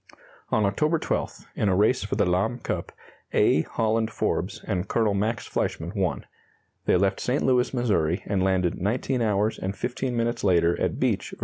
On October 12th, in a race for the Lahm cup, A. Holland Forbes and Col. Max Fleischman won. They left St. Louis, Mo., and landed 19 hours and 15 minutes later at Beach, Va.